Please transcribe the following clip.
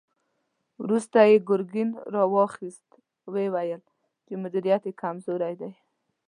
وروسته يې ګرګين را واخيست، ويې ويل چې مديريت يې کمزوری دی.